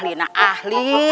ini enak ahli